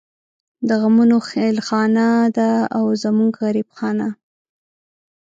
د غمونو خېلخانه ده او زمونږ غريب خانه